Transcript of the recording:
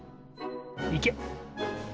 いけ！